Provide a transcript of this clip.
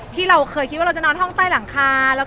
เมื่อเรานอนห้องใต้หลังคา